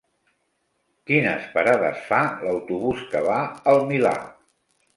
Quines parades fa l'autobús que va al Milà?